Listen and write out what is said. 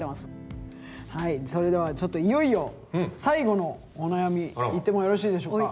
それではちょっといよいよ最後のお悩みいってもよろしいでしょうか。